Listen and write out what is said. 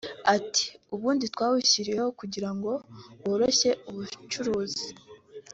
Ati “Ubundi twawushyiriyeho kugira ngo woroshye ubucuruzi